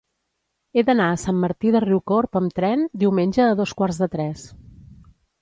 He d'anar a Sant Martí de Riucorb amb tren diumenge a dos quarts de tres.